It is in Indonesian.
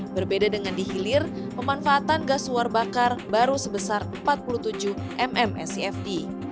berbeda dengan di hilir pemanfaatan gas suar bakar baru sebesar empat puluh tujuh mmscfd